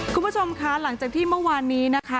คุณผู้ชมคะหลังจากที่เมื่อวานนี้นะคะ